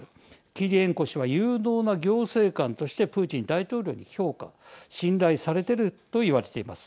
キリエンコ氏は、有能な行政官としてプーチン大統領に評価信頼されているといわれています。